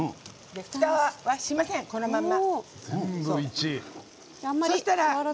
ふたはしません、このまま。